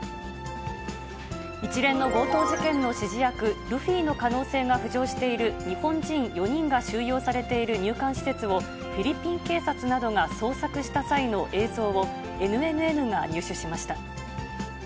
一連の強盗事件の指示役、ルフィの可能性が浮上している日本人４人が収容されている入管施設を、フィリピン警察などが捜索した際の映像を、ＮＮＮが入手しました。